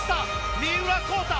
三浦孝太。